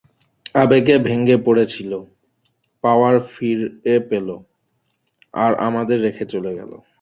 আবেগে ভেঙ্গে পড়ছিল, পাওয়ার ফিরে পেল, আর আমাদের রেখে চলে গেল।